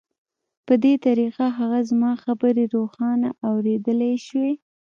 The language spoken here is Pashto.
په دې طریقه هغه زما خبرې روښانه اورېدلای شوې